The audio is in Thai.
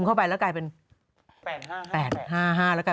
อย่านะอย่าพูด